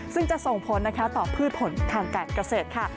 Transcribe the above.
ซึ่งจะส่งผลต่อพืชผลทางแก่กเกษตร